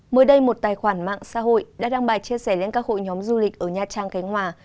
mới đây một tài khoản mạng xã hội đã đăng bài chia sẻ lên các hội nhóm du lịch ở nha trang cánh hòa